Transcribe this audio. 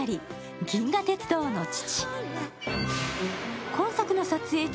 「銀河鉄道の父」。